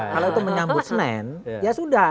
kalau itu menyambut senin ya sudah